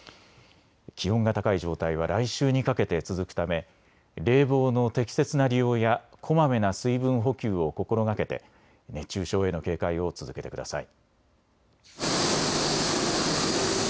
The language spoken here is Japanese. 気温が高い状態は来週にかけて続くため冷房の適切な利用やこまめな水分補給を心がけて熱中症への警戒を続けてください。